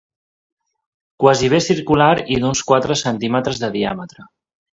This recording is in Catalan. Quasi bé circular i d'uns quatre centímetres de diàmetre